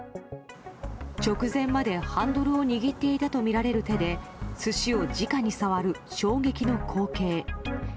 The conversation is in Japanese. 直前まで、ハンドルを握っていたとみられる手で寿司を直に触る、衝撃の光景。